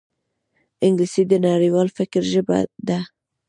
انګلیسي د نړیوال فکر ژبه ده